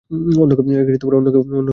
অন্য কেউ হবে হয়ত।